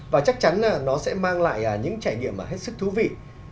và chắc chắn nó sẽ mang lại những trải nghiệm hết sức thú vị